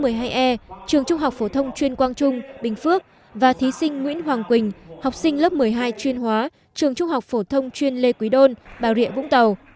trường e trường trung học phổ thông chuyên quang trung bình phước và thí sinh nguyễn hoàng quỳnh học sinh lớp một mươi hai chuyên hóa trường trung học phổ thông chuyên lê quý đôn bà rịa vũng tàu